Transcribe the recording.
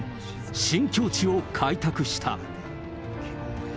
新境地を開拓した。